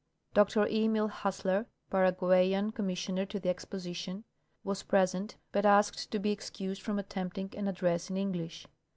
Dr Eniil Hassler, Paraguayan Comraissoner to the Exposition, was present, but asked to be excused from attempting an ad dress in English.